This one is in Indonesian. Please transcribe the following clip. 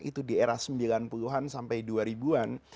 itu di era sembilan puluh an sampai dua ribu an